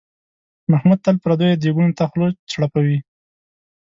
محمود تل پردیو دیګونو ته خوله چړپوي.